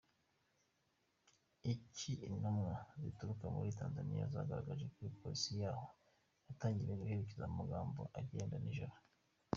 Iki intumwa zituruka muri Tanzaniya, zagaragaje ko polisi yahoo yatangiye guherekeza amakamyo agenda nijoro.